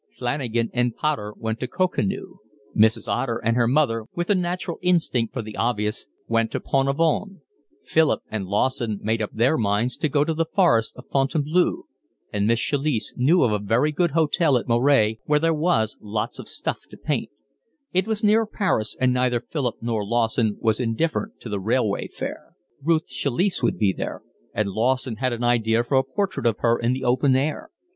Flanagan and Potter went to Concarneau; Mrs. Otter and her mother, with a natural instinct for the obvious, went to Pont Aven; Philip and Lawson made up their minds to go to the forest of Fontainebleau, and Miss Chalice knew of a very good hotel at Moret where there was lots of stuff to paint; it was near Paris, and neither Philip nor Lawson was indifferent to the railway fare. Ruth Chalice would be there, and Lawson had an idea for a portrait of her in the open air.